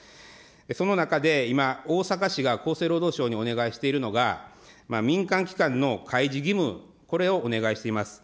その中で、今、大阪市が厚生労働省にお願いしているのが、民間機関の開示義務、これをお願いしています。